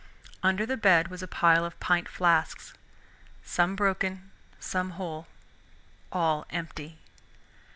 Under the bed was a pile of pint flasks, some broken, some whole, all empty.